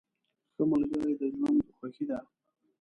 ښه ملګري د ژوند خوښي ده.